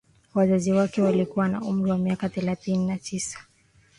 wazazi wake walikuwa na umri wa miaka thelasini na tisa